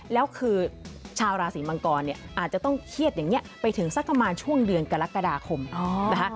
แล้วคือชาวราศีมังกรเนี่ยอาจจะต้องเครียดอย่างนี้ไปถึงสักประมาณช่วงเดือนกรกฎาคมนะคะ